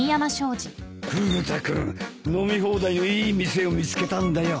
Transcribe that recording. フグ田君飲み放題のいい店を見つけたんだよ。